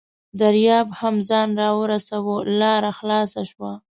دریاب هم ځان راورساوه، لاره خلاصه شوه.